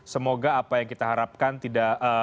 semoga apa yang kita harapkan tidak